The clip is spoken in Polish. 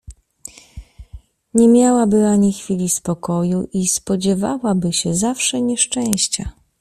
"Nie miałaby ani chwili spokoju i spodziewałaby się zawsze nieszczęścia."